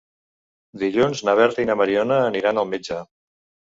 Dilluns na Berta i na Mariona aniran al metge.